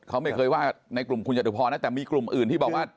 เขาไม่เคยว่าในกลุ่มคุณจตุพรนะแต่มีกลุ่มอื่นที่บอกว่า